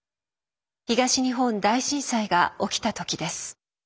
東日本大震災が起きた時です。